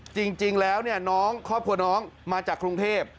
จริงแล้วน้องครอบครัวน้องมาจากกรุงเทพ